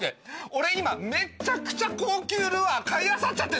俺今めっちゃくちゃ高級ルアー買いあさっちゃってるんだよ！